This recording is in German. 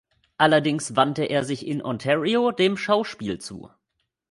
Allerdings wandte er sich in Ontario dem Schauspiel zu.